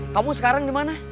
kamu sekarang di mana